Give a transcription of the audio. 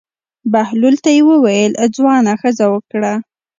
بهلول ته یې وویل: ځوانه ښځه وکړه.